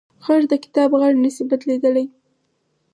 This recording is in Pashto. غږ د کتاب غږ نه شي بدلېدلی